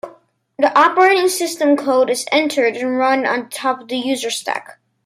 The operating system code is entered and run on top of the user stack.